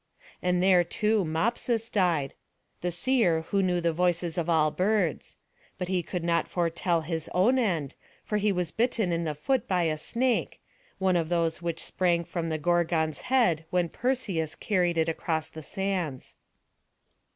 And there, too, Mopsus died, the seer who knew the voices of all birds; but he could not foretell his own end, for he was bitten in the foot by a snake, one of those which sprang from the Gorgon's head when Perseus carried it across the sands.